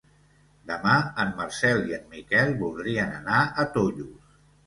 Demà en Marcel i en Miquel voldrien anar a Tollos.